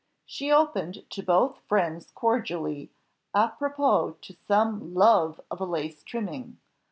She opened to both friends cordially, à propos to some love of a lace trimming.